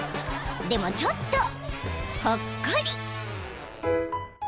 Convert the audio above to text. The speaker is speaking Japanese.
でもちょっとほっこり］